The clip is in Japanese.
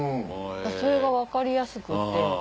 それが分かりやすくて。